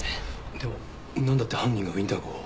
でもなんだって犯人がウィンター号を？